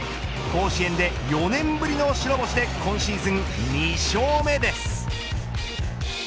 甲子園で４年ぶりの白星で今シーズン２勝目です。